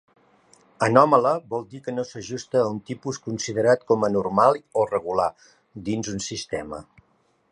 "Anòmala" vol dir "que no s'ajusta a un tipus considerat com a normal o regular, dins un sistema".